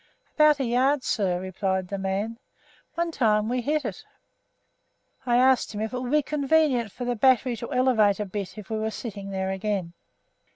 "About a yard, sir," replied the man; "one time we hit it." I asked him if it would be convenient for the battery to elevate a bit if we were sitting there again.